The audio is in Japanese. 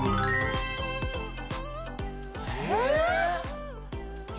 え？